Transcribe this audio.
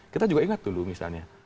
kita juga ingat dulu misalnya